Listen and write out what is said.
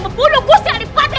membunuh gusti adipati